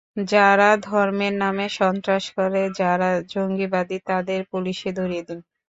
যারা ধর্মের নামে সন্ত্রাস করে, যারা জঙ্গিবাদী, তাদের পুলিশে ধরিয়ে দিন।